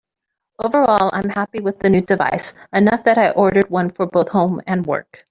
Overall I'm happy with the new device, enough that I ordered one for both home and work.